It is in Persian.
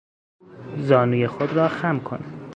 زانوی خود را خم کن.